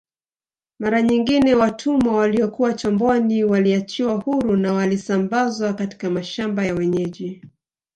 Mara nyingine watumwa waliokuwa chomboni waliachiwa huru na walisambazwa katika mashamba ya wenyeji